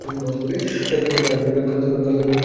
তার খালাতো ভাই জুলাই মাসে মৃত্যুবরণ করে।